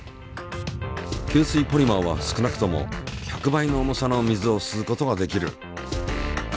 吸水ポリマーは少なくとも１００倍の重さの水を吸うことができる。